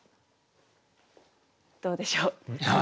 どうでしょう？